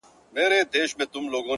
په شپو شپو یې سره کړي وه مزلونه!!